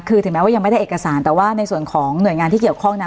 คือถึงแม้ว่ายังไม่ได้เอกสารแต่ว่าในส่วนของหน่วยงานที่เกี่ยวข้องนะ